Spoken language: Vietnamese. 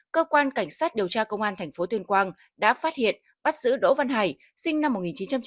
cơ quan cảnh sát điều tra công an thành phố tuyên quang đã phát hiện bắt giữ đỗ văn hải sinh năm một nghìn chín trăm tám mươi